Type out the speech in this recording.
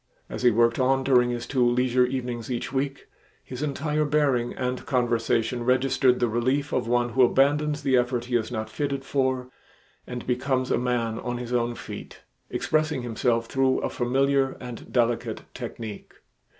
As he worked on during his two leisure evenings each week, his entire bearing and conversation registered the relief of one who abandons the effort he is not fitted for and becomes a man on his own feet, expressing himself through a familiar and delicate technique.